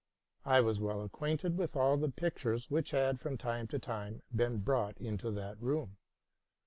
J was well acquainted with all the pictures which had from time to time been brought into that room.